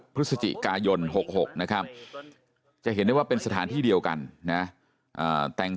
พฤศจิกายน๖๖นะครับจะเห็นได้ว่าเป็นสถานที่เดียวกันนะแต่ง